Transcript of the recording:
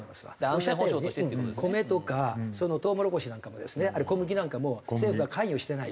おっしゃったように米とかトウモロコシなんかもですねあるいは小麦なんかも政府が関与してないと。